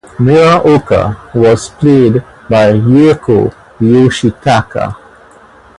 Muraoka was played by Yuriko Yoshitaka.